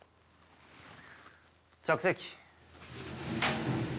着席。